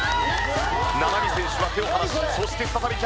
七海選手は手を離しそして再びキャッチ。